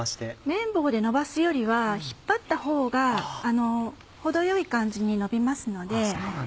麺棒でのばすよりは引っ張ったほうが程よい感じにのびますので。